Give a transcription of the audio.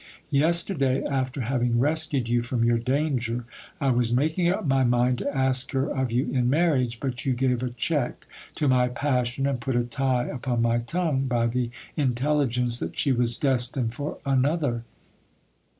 Yesterday, after having rescued you from your danger, I was making up my mind to ask her of you in marriage ; but you gave a check to my passion and put a tie upon my tongue, by the intelligence that she was destined for another.